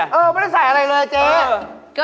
ไม่เออไม่ได้ใส่อะไรเลยเจ๊เจ๊เออ